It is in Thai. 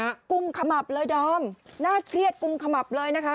นี่โทรศัพท์กรุงขมับเลยด้อมน่าเครียดกรุงขมับเลยนะคะ